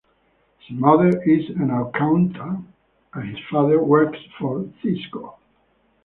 His mother is an accountant and his father works for Cisco.